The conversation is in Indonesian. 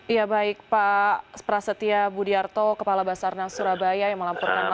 ya baik pak prasetya budiarto kepala basarnas surabaya yang melampurkan langsung